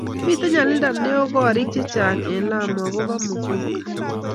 mito nyalilda neoo koriik chechang eng Lamu akobo muguka